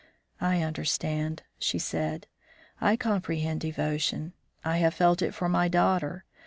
"I understand," she said; "I comprehend devotion; I have felt it for my daughter.